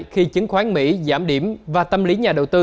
khi chứng khoán mỹ giảm điểm và tâm lý nhà đầu tư